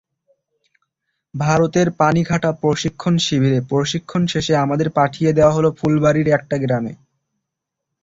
ভারতের পানিঘাটা প্রশিক্ষণ শিবিরে প্রশিক্ষণ শেষে আমাদের পাঠিয়ে দেওয়া হলো ফুলবাড়ীর একটা গ্রামে।